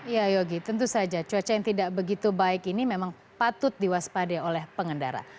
ya yogi tentu saja cuaca yang tidak begitu baik ini memang patut diwaspadai oleh pengendara